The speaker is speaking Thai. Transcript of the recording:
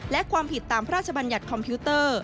และความผิดตามพระราชบัญญัติคอมพิวเตอร์